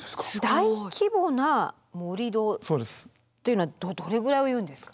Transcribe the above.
大規模な盛り土っていうのはどれぐらいを言うんですか？